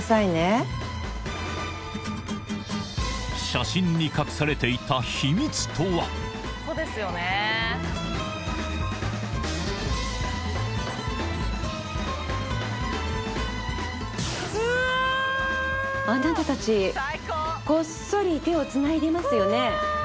写真に隠されていた秘密とはあなた達こっそり手をつないでいますよね